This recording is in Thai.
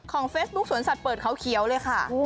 เฟซบุ๊คสวนสัตว์เปิดเขาเขียวเลยค่ะ